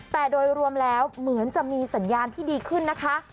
แต่โดยรวมแล้วเหมือนจะมีสัญญาณที่ดีขึ้นนะคะ